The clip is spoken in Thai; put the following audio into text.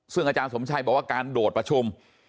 ซึ่งอาจารย์สมชัยบอกว่าการโดดประชุม